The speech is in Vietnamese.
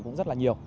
cũng rất là nhiều